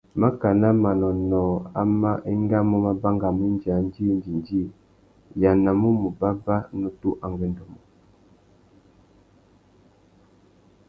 Mákànà manônôh amá engamú mà bangamú indi a djï indjindjï, nʼyānamú u mù bàbà nutu angüêndô mô.